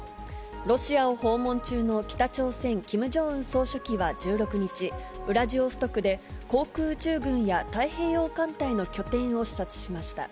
ロシアを訪問中の北朝鮮、キム・ジョンウン総書記は１６日、ウラジオストクで航空宇宙軍や太平洋艦隊の拠点を視察しました。